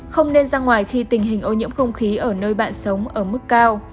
không nên ra ngoài khi tình hình ô nhiễm không khí ở nơi bạn sống ở mức cao